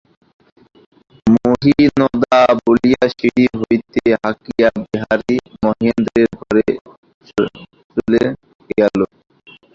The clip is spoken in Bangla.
মহিনদা বলিয়া সিঁড়ি হইতে হাঁকিয়া বিহারী মহেন্দ্রের ঘরে গেল।